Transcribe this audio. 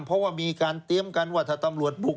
เพราะว่ามีการเตรียมกันว่าถ้าตำรวจบุก